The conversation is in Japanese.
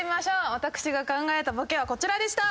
私が考えたボケはこちらでした。